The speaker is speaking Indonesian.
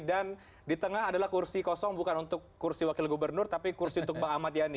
dan di tengah adalah kursi kosong bukan untuk kursi wakil gubernur tapi kursi untuk bang ahmad yani